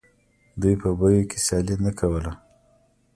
دوی په بیو کې سیالي نه کوله